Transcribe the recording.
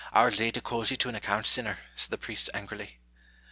our Lady calls you to an account, sinner !" said the priest, angrily.